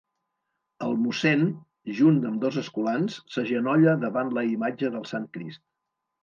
El mossèn, junt amb dos escolans, s'agenolla davant la imatge del Sant Crist.